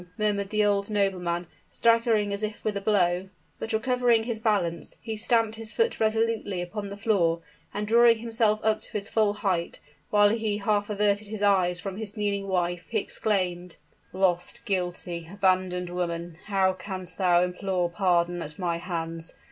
murmured the unhappy nobleman, staggering as if with a blow: but, recovering his balance, he stamped his foot resolutely upon the floor, and drawing himself up to his full height, while he half averted his eyes from his kneeling wife, he exclaimed: "Lost guilty abandoned woman, how canst thou implore pardon at my hands?